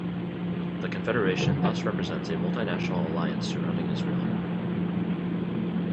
The confederation thus represents a multinational alliance surrounding Israel.